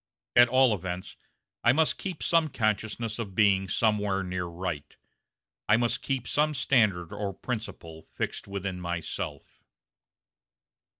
At all events, I must keep some consciousness of being somewhere near right. I must keep some standard or principle fixed within myself."